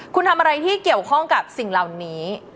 คุณทำอะไรที่เกี่ยวข้องกับสิ่งเหล่านี้